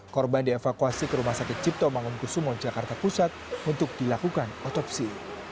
korban dievakuasi ke rumah sakit cipto mangunkusumo jakarta pusat untuk dilakukan otopsi